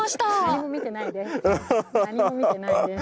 何も見てないです。